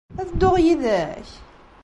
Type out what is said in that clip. Ad dduɣ yid-k?